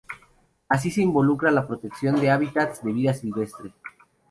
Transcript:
Así se involucra la protección de los hábitats de vida silvestre.